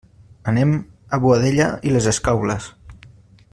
Anem a Boadella i les Escaules.